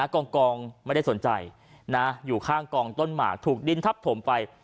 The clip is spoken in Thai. กองไม่ได้สนใจอยู่ข้างกองต้นหมากถูกดินทับถมไป